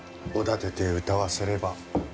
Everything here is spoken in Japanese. おだててうたわせれば。